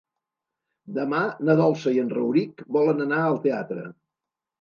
Demà na Dolça i en Rauric volen anar al teatre.